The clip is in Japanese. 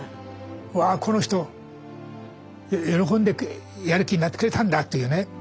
わあこの人喜んでやる気になってくれたんだっていうね。